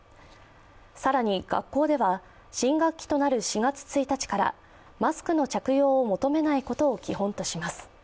更に学校では新学期となる４月１日からマスクの着用を求めないことを基本とします。